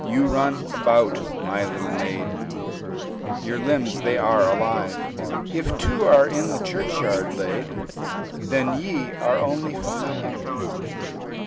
"You run about, my little maid, Your limbs they are alive: If two are in the churchyard laid, Then ye are only five."